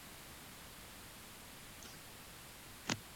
The mountain goat, goral is another noteworthy resident.